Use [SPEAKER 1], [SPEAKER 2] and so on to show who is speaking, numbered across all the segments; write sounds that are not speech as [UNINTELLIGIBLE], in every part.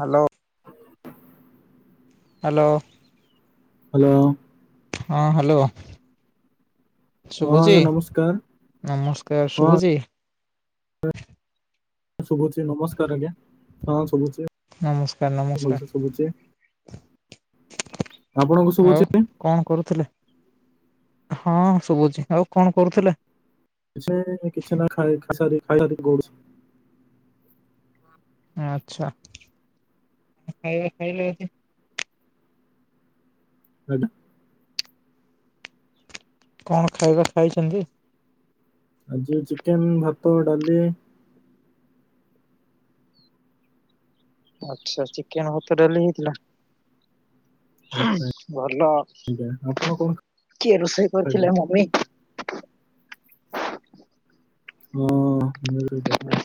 [SPEAKER 1] Hello.
[SPEAKER 2] [INAUDIBLE]
[SPEAKER 1] Hello.
[SPEAKER 2] Hello.
[SPEAKER 1] ହଁ hello
[SPEAKER 2] ହଁ
[SPEAKER 1] ଶୁଭୁଚି।
[SPEAKER 2] ଆଜ୍ଞା ନମସ୍କାର
[SPEAKER 1] ନମସ୍କାର
[SPEAKER 2] ହଁ ଆଜ୍ଞା
[SPEAKER 1] ଶୁଭୁଛି।
[SPEAKER 2] ଶୁଭୁଛି ନମସ୍କାର ଆଜ୍ଞା ହଁ ଶୁଭୁଛି।
[SPEAKER 1] ସାର୍
[SPEAKER 2] ଭଲସେ ଶୁଭୁଛି
[SPEAKER 1] ନମସ୍କାର।
[SPEAKER 2] ଆପଣଙ୍କୁ
[SPEAKER 1] ଆଉ
[SPEAKER 2] ଶୁଭୁଚି।
[SPEAKER 1] କଣ କରୁଥିଲେ ହଁ ଶୁଭୁଚି ଆଉ କଣ କରୁଥିଲେ।
[SPEAKER 2] କିଛି କିଛି ନା ଖାଇାର ଖାଇାର ଗଡ଼ୁ
[SPEAKER 1] ଆଚ୍ଛା ଖାଇବା ଖାଇଲେ।
[SPEAKER 2] ଆଜ୍ଞା।
[SPEAKER 1] କଣ ଖାଇବା ଖାଇଚନ୍ତି।
[SPEAKER 2] ଆଜି ଚିକେନ ଭାତ ଡାଲି
[SPEAKER 1] ଆଚ୍ଛା ଚିକେନ ହତ ଡାଲି ହେଇଥିଲା।
[SPEAKER 2] ଆଚ୍ଛା
[SPEAKER 1] ଭଲ
[SPEAKER 2] ଆଜ୍ଞା ଆପଣ କଣ
[SPEAKER 1] କିଏ ରୋଷେଇ
[SPEAKER 2] ଖାଇଲେ
[SPEAKER 1] କରିଥିଲେ ମମି।
[SPEAKER 2] ହଁ ମମି ରୋଷେଇ କରିଥିଲେ।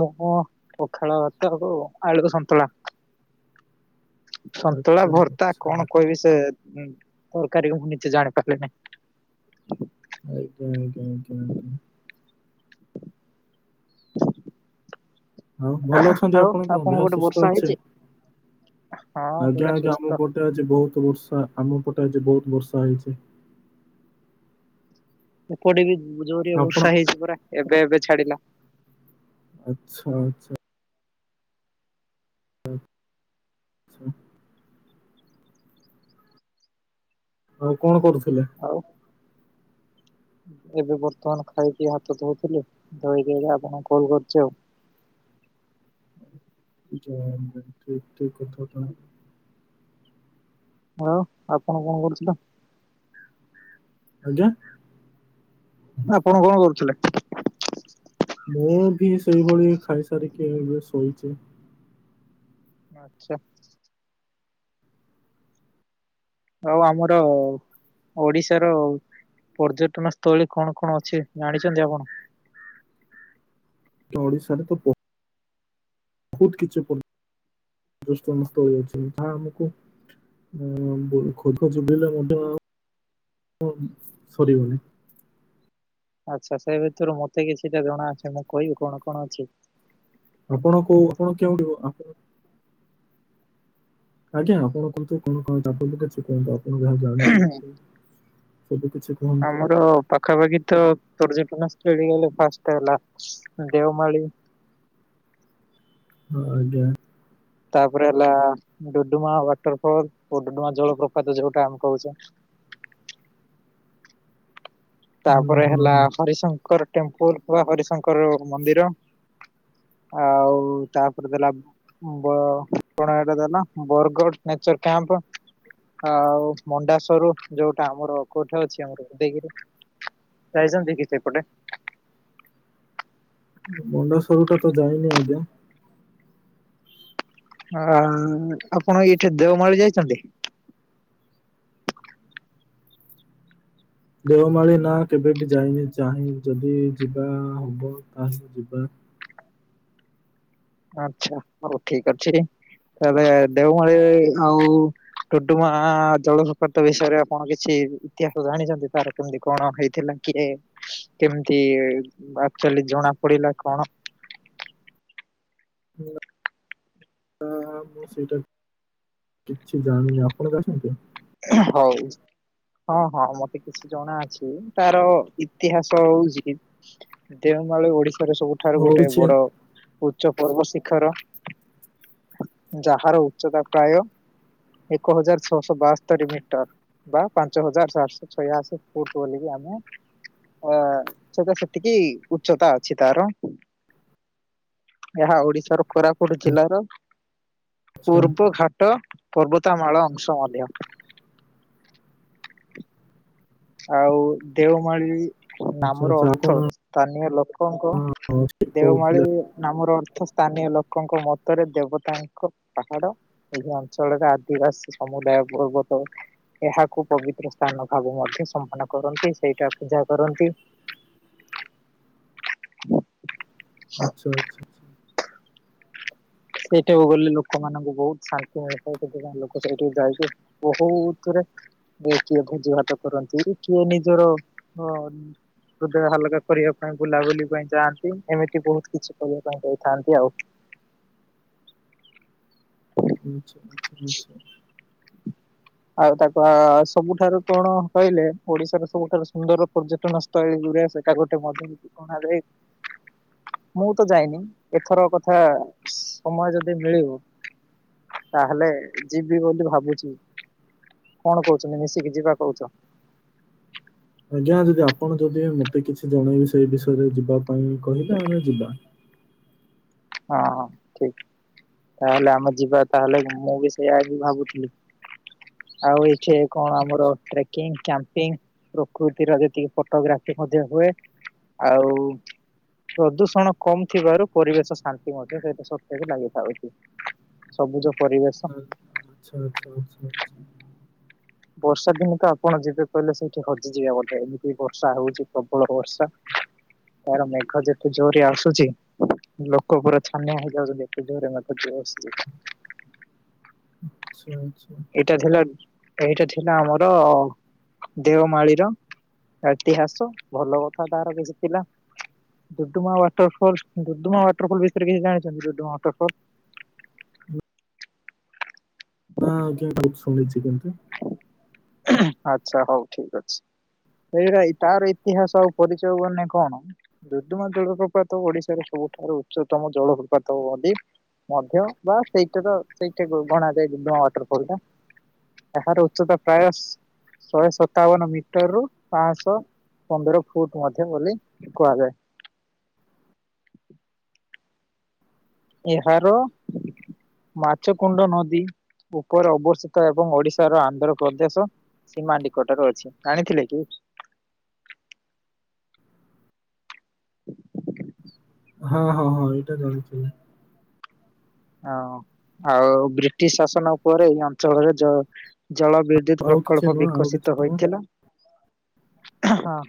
[SPEAKER 1] ମୁଁ ପଖାଳ ଭାତ ଆଳକୁ ସନ୍ତୁଳା। ସନ୍ତୁଳା
[SPEAKER 2] ଆଚ୍ଛା
[SPEAKER 1] ଭର୍ତ୍ତା
[SPEAKER 2] ଆଚ୍ଛା ଆଜ୍ଞା
[SPEAKER 1] କଣ କହିବି ସେ ତରକାରୀ ମୁଁ ନିଜେ ଜାଣି ପାରଲିନି।
[SPEAKER 2] ଆଜ୍ଞା ଆଜ୍ଞା ଆଜ୍ଞା ଆଜ୍ଞା। ହଁ ଭଲ ଅଛନ୍ତି
[SPEAKER 1] ଆଉ
[SPEAKER 2] ଆପଣ କ ଦେହ
[SPEAKER 1] ଆପଣଙ୍କ ଗୋଟେ
[SPEAKER 2] ସୁସ୍ଥ
[SPEAKER 1] ବର୍ଷା
[SPEAKER 2] ଅଛି
[SPEAKER 1] ହେଇଛି ହଁ ପୁରା
[SPEAKER 2] ଆଜ୍ଞା ଆଜ୍ଞା
[SPEAKER 1] ସୁସ୍ଥ
[SPEAKER 2] ଆମପ ଟରେ ଆଜି ବହୁତ ବର୍ଷା ଆମ ପଟେ ଆଜି ବହୁତ ବର୍ଷା ହେଇଛି।
[SPEAKER 1] ଏପଟେ ବି ଜୋରିଆ
[SPEAKER 2] ଆପଣ
[SPEAKER 1] ବର୍ଷା ହେଇଛି ପୁରା ଏବେ ଏବେ ଛାଡ଼ିଲା।
[SPEAKER 2] ଆଚ୍ଛା ଆଚ୍ଛା। [UNINTELLIGIBLE] ଆଉ କଣ କରୁଥିଲେ?
[SPEAKER 1] ଆଉ ଏବେ ବର୍ତ୍ତମାନ ଖାଇକି ହାତ ଧଉଥିଲି ଧୋଇକି ଆପଣଙ୍କୁ କଲ କରୁଛି ଆଉ।
[SPEAKER 2] [UNINTELLIGIBLE]
[SPEAKER 1] ଆଉ ଆପଣ କଣ କରୁଥିଲେ?
[SPEAKER 2] ଆଜ୍ଞା
[SPEAKER 1] ଆପଣ କଣ କରୁଥିଲେ?
[SPEAKER 2] ମୁଁ ବି ସେଇଭଳି ଖାଇସାରିକି ଏବେ ଶୋଇଛି।
[SPEAKER 1] ଆଚ୍ଛା। ଆଉ ଆମର ଓଡ଼ିଶାର ପର୍ଯ୍ୟଟନ ସ୍ଥଳୀ କଣ କଣ ଅଛି ଜାଣିଛନ୍ତି ଆପଣ?
[SPEAKER 2] ଓଡ଼ିଶାରେ ତ ପ ବହୁତ କିଛି ପର୍ଯ୍ୟଟନ ସ୍ଥଳୀ ଅଛି ଯାହା ଆମକୁ [UNINTELLIGIBLE] ସରିବନି।
[SPEAKER 1] ଆଚ୍ଛା ସେ ଭିତରୁ ମତେ କିଛିଟା ଜଣା ଅଛି ମୁଁ କହିବି କଣ କଣ ଅଛି?
[SPEAKER 2] ଆପଣ କୋଉ ଆପଣ କେଉଠି ହୁଏ ଆପଣ ଆଜ୍ଞା ଆପଣ କୁହନ୍ତୁ [UNINTELLIGIBLE] କୁହନ୍ତୁ ଆପଣ ଯାହା ଜାଣିଛନ୍ତି ସବୁ କିଛି। କୁହନ୍ତୁ
[SPEAKER 1] ଆମର ପାଖାପାଖି ତ ପର୍ଯ୍ୟଟନସ୍ଥଳି ଗଲେ ଫାଷ୍ଟ ହେଲା ଦେଓମାଳି
[SPEAKER 2] ହଁ ଆଜ୍ଞା।
[SPEAKER 1] ତାପରେ ହେଲା ଡୁଡୁମା ୱାଟର ଫଲ ଡଡୁମା ଜଳପ୍ରପାତ ଯୋଉଟା ଆମେ କହୁଛେ।
[SPEAKER 2] ହୁଁ,
[SPEAKER 1] ତାପରେ
[SPEAKER 2] ହଁ
[SPEAKER 1] ହେଲା
[SPEAKER 2] ହଁ
[SPEAKER 1] ହରିଶଙ୍କର ଟେମ୍ପଲ ବା ହରିଶଙ୍କର ମନ୍ଦିର ଆଉ ତାପରେ ଦେଲା ଵ କଣ ହେଟା ଦେଲା ବରଗଡ଼ ନେଚର କ୍ୟାମ୍ପ ଆଉ ମଣ୍ଡାଶୋର ଯୋଉଟା ଆମର କୋଉଠି ଅଛି ଆମର ଉଦୟଗିରି ଯାଇଛନ୍ତି କି ସେପଟେ?
[SPEAKER 2] ମଣ୍ଡା ସୋର ଟା ତ ଯାଇନି ଆଜ୍ଞା।
[SPEAKER 1] ଆ ଆପଣ ଏଇଠି ଦେଓମାଳି ଯାଇଛନ୍ତି?
[SPEAKER 2] ଦେଓମାଳି ନା କେବେ ବି ଯାଇନି ଚାହିଁ ଯଦି ଯିବା ହବ ତାହେଲେ ଯିବା।
[SPEAKER 1] ଆଚ୍ଛା ହଉ ଠିକ୍ ଅଛି ତାହାଲେ ଦେଓମାଳି ଆଉ ଡୁଡୁମା ଜଳପ୍ରପାତ ବିଷୟରେ ଆପଣ କିଛି ଇତିହାସ ଜାଣିଛନ୍ତି ତାର କେମତି କଣ ହେଇଥିଲା କିଏ କେମିତି ଆକ୍ଚଲି ଜଣା ପଡ଼ିଲା କଣ?
[SPEAKER 2] ହ ମୁଁ ସେଇଟା କିଛି ଜାଣିନି ଆପଣ ଜାଣିଛନ୍ତି?
[SPEAKER 1] ହଉ। ହଁ ହଁ ମତେ କିଛି ଜଣା ଅଛି ତାର ଇତିହାସ ହଉଛି ଦେଓମାଳ ଓଡ଼ିଶାର ସବୁଠାରୁ
[SPEAKER 2] ହଉ
[SPEAKER 1] ଗୋଟେ
[SPEAKER 2] କିଛି
[SPEAKER 1] ବଡ଼ ଉଚ୍ଚ ପର୍ବ ଶିଖର ଯାହାର ଉଚ୍ଚତା ପ୍ରାୟ ଏକ ହଜାର ଛଅଶହ ବାଶ ସ୍ତରି ମିଟର ବା ପାଞ୍ଚ ହଜାର ଚାରିଶହ ଛୟାଅଶୀ ଫୁଟ ବୋଲିକି ଆମେ ଅ ସେଇଟା ସେତିକି ଉଚ୍ଚତା ଅଛି ତାର। ଏହା ଓଡ଼ିଶାର କୋରାପୁଟ ଜିଲ୍ଲାର
[SPEAKER 2] ଆଚ୍ଛା
[SPEAKER 1] ପୂର୍ବ ଘାଟ ପର୍ବତ ମାଳ ଅଂଶ ମଧ୍ୟ। ଆଉ ଦେଓମାଳି
[SPEAKER 2] ଆଚ୍ଛା
[SPEAKER 1] ନାମର
[SPEAKER 2] ଆଚ୍ଛା ଆଉ
[SPEAKER 1] ଅର୍ଥ
[SPEAKER 2] କଣ
[SPEAKER 1] ସ୍ଥାନୀୟ ଲୋକଙ୍କ
[SPEAKER 2] ଅଛି
[SPEAKER 1] ଦେଓମାଳି
[SPEAKER 2] କହୁଥିଲେ
[SPEAKER 1] ନାମର ଅର୍ଥ ସ୍ଥାନୀୟ ଲୋକଙ୍କ ମତରେ ଦେବତାଙ୍କ ପାହାଡ। ଏହି ଅଞ୍ଚଳରେ ଆଦିବାସୀ ସମୁଦାୟ ପର୍ବତ। ଏହାକୁ ପବିତ୍ର ସ୍ଥାନ ଭାବେ ମଧ୍ୟ ସମ୍ମାନ କରନ୍ତି, ସେଇଟା ପୂଜା କରନ୍ତି।
[SPEAKER 2] ଆଚ୍ଛା ଆଚ୍ଛା। ଆଚ୍ଛା
[SPEAKER 1] ସେଇଠାକୁ ଗଲେ ଲୋକମାନଙ୍କୁ ବୋହୁତ୍ ଶାନ୍ତି ମିଳିଥାଏ। ସେଥିପାଇଁ ଲୋକ ସେଇଠିକୁ ଯାଇକି ବୋହୁତ୍ ରେ କିଏ ଭୋଜି ଭାତ କରନ୍ତି, କିଏ ନିଜର ହୃଦୟ ହାଲକା କରିବା ପାଇଁ ବୁଲାବୁଲି ପାଇଁ ଯାଆନ୍ତି। ଏମିତି ବୋହୁତ୍ କିଛି କରିବା ପାଇଁ ଯାଇଥାନ୍ତି ଆଉ।
[SPEAKER 2] ଆଛା ଆଛା।
[SPEAKER 1] ଆଉ ତାକୁ ସବୁଠାରୁ କଣ କହିଲେ, ଓଡିଶାର ସବୁଠାରୁ ସୁନ୍ଦର ପର୍ଯ୍ୟଟନ ସ୍ତଳି ଗୁରେ, ସେଇଟା ଗୋଟେ ମଧ୍ୟ ଗଣା ଯାଏ। ମୁଁ ତ ଯାଇନି। ଏଥର କଥା ସମୟ ଯଦି ମିଳିବ ତାହେଲେ ଯିବି ବୋଲି ଭାବୁଛି। କଣ କହୁଛନ୍ତି ମିଶିକି ଯିବା କହୁଛ?
[SPEAKER 2] ଆଜ୍ଞା ଯଦି ଆପଣ ଯଦି ମତେ କିଛି ଜଣେଇବେ ସେଇ ବିଷୟରେ, ଯିବା ପାଇଁ କହିଲେ ଆମେ ଯିବା।
[SPEAKER 1] ହଁ, ଠିକ୍। ତାହେଲେ ଆମେ ଯିବା ତାହେଲେ, ମୁଁ ବି ସେଇଆ ଆଜି ଭାବୁଥିଲି। ଆଉ ଏଇଠି କଣ ଆମର
[SPEAKER 2] ଆଚ୍ଛା
[SPEAKER 1] ଟ୍ରେକିଂ, କ୍ୟାମ୍ପିଂ ପ୍ରକୃତିର ଯେତିକି ଫଟୋଗ୍ରାଫି ମଧ୍ୟ ହୁଏ। ଆଉ ପ୍ରଦୂଷଣ କମ୍ ଥିବାରୁ ପରିବେଶ ଶାନ୍ତି ମଧ୍ୟ ସେଇଟା ସତେଜ ଲାଗିଥାଉଛି। ସବୁଜ ପରିବେଶ
[SPEAKER 2] ଆଛା, ଆଚ୍ଛା, ଆଛା, ଆଛା।
[SPEAKER 1] ବର୍ଷା ଦିନେ ତ ଆପଣ ଯେବେ କହିଲେ ସେଇଠି ହଜିଯିବ ଗୋଟେ। ଏମିତି ବର୍ଷା ହଉଛି ପ୍ରବଳ ବର୍ଷା। ତାର ମେଘ ଯେତେ ଜୋରେ ଆସୁଛି ଲୋକ ପୁରା ଛାନିଆ ହେଇଯାଉଛନ୍ତି। ଏତେ ଜୋରେ ମେଘ ଯ ଆସୁ
[SPEAKER 2] ଆଛା ଆଚ୍ଛା।।
[SPEAKER 1] ଏଇଟା ଥିଲା, ଏଇଟା ଥିଲା ଆମର, ଦେଓମାଳିର। ଇତିହାସ ଭଲ କଥା ତାର କିଛି ଥିଲା। Duduma waterfall, Duduma waterfall ବିଷୟରେ କିଛି ଜାଣିଛନ୍ତି? ଡୁଡ଼ୁମା ୱାଟରଫଲ୍?
[SPEAKER 2] ହଁ ଆଜ୍ଞା ମୁଁ ଶୁଣିଛି କିନ୍ତୁ।
[SPEAKER 1] ଆଚ୍ଛା ହଉ ଠିକ୍ ଅଛି। ଏଇଟା ତାର ଇତିହାସ ଆଉ ପରିଚୟ ମାନେ କଣ? ଡୁଦୁମା ଜଳପ୍ରପାତ ଓଡିଶାର ସବୁଠାରୁ ଉଚ୍ଚତମ ଜଳପ୍ରପାତ କୁହନ୍ତି। ମଧ୍ୟ ବା ସେଇଟା ତ ସେଇ ଟାଇପ୍ ର ଗଣା ଯାଏ ଡୁଡୁମା ୱାଟର ଫଲ୍ ଟା। ଏହାର ଉଚ୍ଚତା ପ୍ରାୟ, ଶହେ ସତାବନ ମିଟର ରୁ ପାଞ୍ଚଶହ ପନ୍ଦର ଫୁଟ୍ ମଧ୍ୟ ବୋଲି କୁହାଯାଏ। ଏହାର ମାଛକୁଣ୍ଡ ନଦୀ, ଉପରେ ଅବସ୍ଥିତ ଏବଂ ଓଡିଶାର ଆନ୍ଧ୍ରପ୍ରଦେଶ ସୀମା ନିକଟରେ ଅଛି। ଯାଣିଥିଲେ କି? [INAUDIBLE]
[SPEAKER 2] ହଁ ହଁ ହଁ, ଏଇଟା ଜାଣିଥିଲି।
[SPEAKER 1] ହଁ ଆଉ ବ୍ରିଟିଶ୍ ଶାସନ ଉପରେ ଏଇ ଅଞ୍ଚଳରେ ଜ ଜଳ ବି ବିଦ୍ୟୁତ
[SPEAKER 2] ଆଉ କିଛି
[SPEAKER 1] ପ୍ରକଳ୍ପ
[SPEAKER 2] ନୁହଁ ଆଉ କିଛି
[SPEAKER 1] ବିକଶିତ
[SPEAKER 2] ନୁହଁ
[SPEAKER 1] ହୋଇଥିଲା। ହ ହ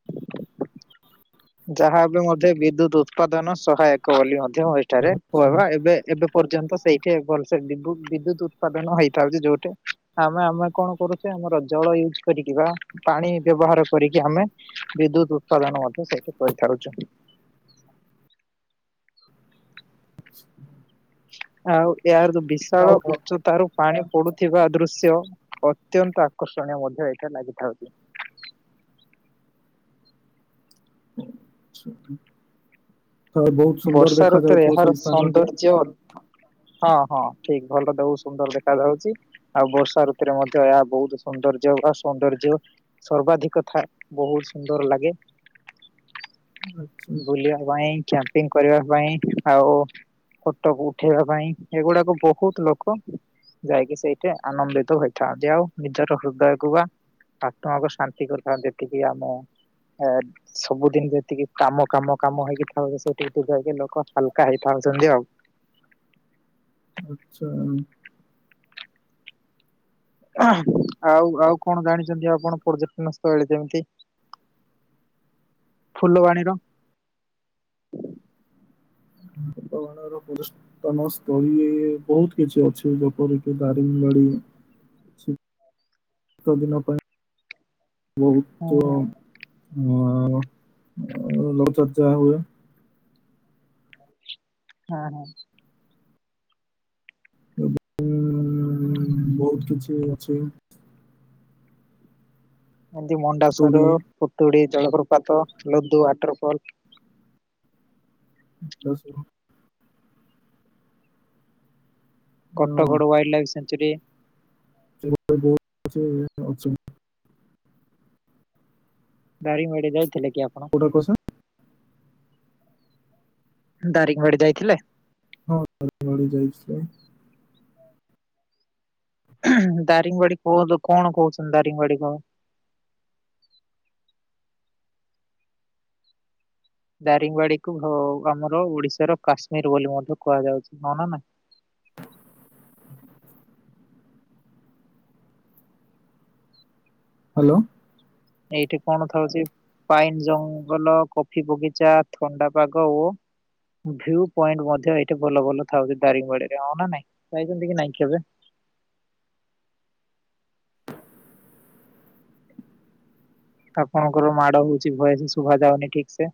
[SPEAKER 1] [INAUDIBLE] ଯାହା ଏବେ ମଧ୍ୟ ବିଦ୍ୟୁତ୍ ଉତ୍ପାଦନ ସହାୟକ ବୋଲି ମଧ୍ୟ ଏଠାରେ, କୁହ
[SPEAKER 2] ଆଚ୍ଛା
[SPEAKER 1] ଏବେ ଏବେ ପର୍ଯ୍ୟନ୍ତ ସେଇଠି ଭଲସେ, ବିଦ୍ୟୁ-ବିଦ୍ୟୁତ୍ ଉତ୍ପାଦନ ହେଇ ପାରୁଛି, ଯୋଉଠି ଆମେ ଆମେ କଣ କରୁ ଆମର ଜଳ ୟୁଜ୍ କରିକିିବା ପାଣି ବ୍ୟବହାର କରିକି ଆମେ, ବିଦ୍ୟୁତ୍ ଉତ୍ପାଦନ ମଧ୍ୟ ସେଇଠି କରି ଛାରୁଛୁ।
[SPEAKER 2] [INAUDIBLE]
[SPEAKER 1] ଆଉ ଏହାର ଯୋଉ ବିଶାଳ
[SPEAKER 2] ଆଉ ଆଉ
[SPEAKER 1] ଉଚ୍ଚ ତାର ପାଣି ପଡୁଥିବା ଦୃଶ୍ୟ, ଅତ୍ୟନ୍ତ ଆକର୍ଷଣୀୟ ମଧ୍ୟ ଏଠା ଲାଗିଥାଉଛି।
[SPEAKER 2] [INAUDIBLE] ବହୁତ ସୁନ୍ଦର
[SPEAKER 1] ବର୍ଷା
[SPEAKER 2] ଦେଖା
[SPEAKER 1] ଋତୁରେ
[SPEAKER 2] ଯାଉଥିବ ସେଇ
[SPEAKER 1] ଏହାର
[SPEAKER 2] ସ୍ଥାନଟି
[SPEAKER 1] ସୌନ୍ଦର୍ଯ୍ୟ ହଁ ହଁ ଠିକ ଭଲ ଦଉ ସୁନ୍ଦର ଦେଖା ଯାଉଛି। ଆଉ ବର୍ଷା ଋତୁରେ ମଧ୍ୟ ଏହା ବହୁତ ସୌନ୍ଦର୍ଯ୍ୟ ବା ସୌନ୍ଦର୍ଯ୍ୟ ସର୍ବାଧିକ କଥା ବହୁତ ସୁନ୍ଦର ଲାଗେ।
[SPEAKER 2] [INAUDIBLE]
[SPEAKER 1] ବୁଲିବା ପାଇଁ କ୍ୟାମ୍ପିଙ୍ଗ କରିବା ପାଇଁ ଆଉ ଫଟୋକୁ ଉଠେଇବା ପାଇଁ ଏଗୁଡାକ ବହୁତ ଲୋକ ଯାଇକି ସେଇଠି ଆନନ୍ଦିତ ହୋଇଥାନ୍ତି ଆଉ ନିଜର ହୃଦୟକୁ ବା ଆତ୍ମାକୁ ଶାନ୍ତି କରିଥାନ୍ତି ଯେତିକି ଆମ ଏ ସବୁଦିନ ଯେତିକି କାମ କାମ କାମ ହେଇକି ଥାଉ ସେଠିକି ଟିକ ଯାଇକି ଲୋକ ହାଲକା ହେଇଯାଉଛନ୍ତି ଆଉ
[SPEAKER 2] ଆଚ୍ଛା।
[SPEAKER 1] ଆଉ ଆଉ କଣ ଜାଣିଛନ୍ତି ଆପଣ ପର୍ଯ୍ୟଟନ ସ୍ଥଳୀ ଯେମିତି? ଫୁଲବାଣୀର
[SPEAKER 2] [INAUDIBLE] ତନସ୍ଥଳୀ ବହୁତ କିଛି ଅଛି ଯେପରି କି ଦାରିଙ୍ଗବାଡି ଶୀତ ଦିନ ପାଇଁ
[SPEAKER 1] ହୁଁ
[SPEAKER 2] ବହୁତ
[SPEAKER 1] ହୁଁ
[SPEAKER 2] ମୋର ଆଉ ଭଲ ଚର୍ଚ୍ଚା ହୁଏ।
[SPEAKER 1] ହାଁ ହାଁ।
[SPEAKER 2] ଉଁ ବହୁତ କିଛି ଅଛି
[SPEAKER 1] ଏମତି ମଣ୍ଡାସର
[SPEAKER 2] ତୋଡି
[SPEAKER 1] ପୁତୁଡି ଜଳପ୍ରପାତ ଲୁଦୁ ୱାଟରଫଲ
[SPEAKER 2] [INAUDIBLE]
[SPEAKER 1] କଟଗୋଡ଼ ୱାଇଲଡ ଲାଇଫ୍ ସାଚୁରୀ ସେନକ୍ଚରୀ
[SPEAKER 2] [INAUDIBLE]
[SPEAKER 1] ଦାରିଙ୍ଗବାଡି ଯାଇଥିଲେ କି ଆପଣ?
[SPEAKER 2] ଏ ବର୍ଷ।
[SPEAKER 1] ଦାରିଙ୍ଗବାଡି ଯାଇଥିଲେ?
[SPEAKER 2] ହଁ ଦାରିଙ୍ଗବାଡି ଯାଇଛି।
[SPEAKER 1] ଦାରିଙ୍ଗବାଡି କୁହନ୍ତୁ କଣ କହୁଛନ୍ତି ଦାରିଙ୍ଗବାଡି କ ଦାରିଙ୍ଗବାଡିକୁ ଆମର ଓଡିଶାର କାଶ୍ମୀର ବୋଲି ମଧ୍ୟ କୁହାଯାଉଛି ହ ନା।
[SPEAKER 2] ହାଲୋ।
[SPEAKER 1] ଏଇଠି କଣ ଥାଉଛି ପାଇନ ଜଙ୍ଗଲ କଫି ବଗିଚା ଥଣ୍ଡା ପାଗ ଓ ଭ୍ୟୁ ପଏଣ୍ଟ ମଧ୍ୟ ଏଇଠି ଭଲ ଭଲ ଥାଉଛି ଦାରିଙ୍ଗବାଡିରେ ହଁ ନା ନାଇଁ ଯାଇଛନ୍ତି କି ନାଇଁ କେବେ ‌? ଆପଣଙ୍କର ମାଡ ହଉଛି ଭଏସ ଶୁଭା ଯାଉନି ଠିକ ସେ।